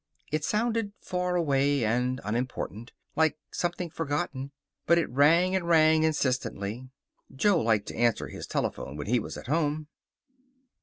It sounded far away and unimportant, like something forgotten. But it rang and rang insistently. Jo liked to answer his telephone when he was at home.